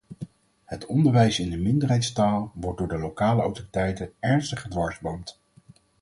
Het onderwijs in de minderheidstaal wordt door de lokale autoriteiten ernstig gedwarsboomd.